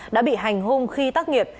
đã bị hành hung khi tác nghiệp